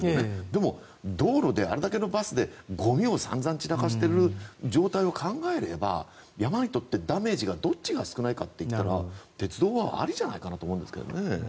でも、道路であれだけのバスでゴミを散々散らかしている状態を考えれば山にとってダメージがどっちが少ないかって言ったら鉄道はありじゃないかと思うんですけどね。